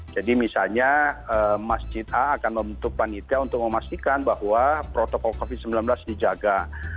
jadi misalnya masjid a akan membentuk panitia untuk memastikan bahwa protokol covid sembilan belas dijaga